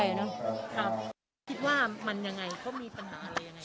คิดว่ามันยังไงเขามีปัญหาอะไรยังไง